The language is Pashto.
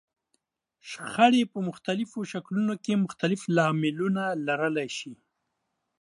شخړې په مختلفو شکلونو کې مختلف لاملونه لرلای شي.